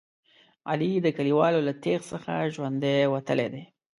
علي د کلیوالو له تېغ څخه ژوندی وتلی دی.